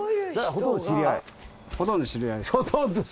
ほとんど知り合い。